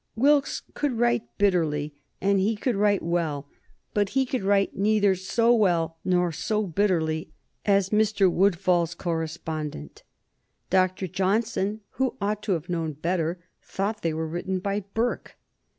Wilkes could write bitterly and he could write well, but he could write neither so well nor so bitterly as Mr. Woodfall's correspondent. Dr. Johnson, who ought to have known better, thought they were written by Burke.